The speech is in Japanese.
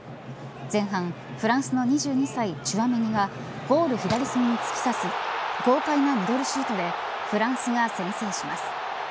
前半フランスの２２歳チュアメニがゴール左隅に突き刺す豪快なミドルシュートでフランスが先制します。